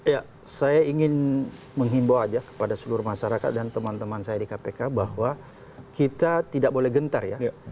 ya saya ingin menghimbau aja kepada seluruh masyarakat dan teman teman saya di kpk bahwa kita tidak boleh gentar ya